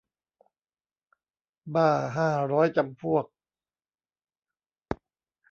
บ้าห้าร้อยจำพวก